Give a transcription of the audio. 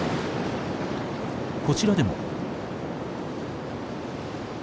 こちらでも。